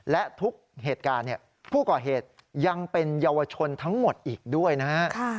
และทุกเหตุการณ์ผู้ก่อเหตุยังเป็นเยาวชนทั้งหมดอีกด้วยนะฮะ